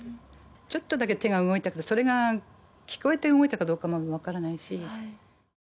ちょっとだけ手が動いたけどそれが聞こえて動いたかどうか分からないし。